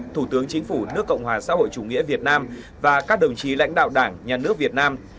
thủ tướng chính phủ nước cộng hòa xã hội chủ nghĩa việt nam và các đồng chí lãnh đạo đảng nhà nước việt nam